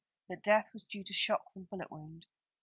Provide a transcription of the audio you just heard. That death was due to shock from bullet wound.